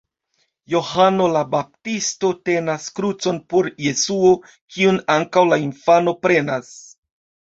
Johano la Baptisto tenas krucon por Jesuo, kiun ankaŭ la infano prenas.